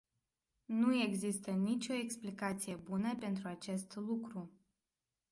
Nu există nicio explicație bună pentru acest lucru.